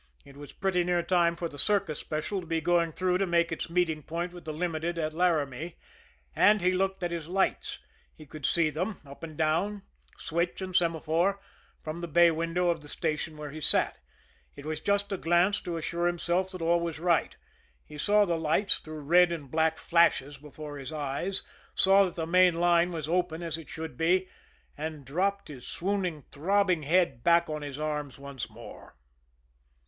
It was pretty near time for the Circus Special to be going through to make its meeting point with the Limited at L'Aramie, and he looked at his lights. He could see them, up and down, switch and semaphore, from the bay window of the station where he sat. It was just a glance to assure himself that all was right. He saw the lights through red and black flashes before his eyes, saw that the main line was open as it should be and dropped his swooning, throbbing head back on his arms once more.